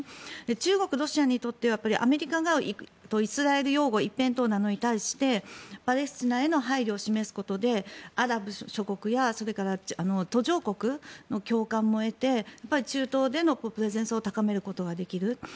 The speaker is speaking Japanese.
中国、ロシアにとってアメリカがイスラエル擁護一辺倒なのに対してパレスチナへの配慮を示すことでアラブ諸国やそれから途上国の共感も得て中東でのプレゼンスを高めることができる。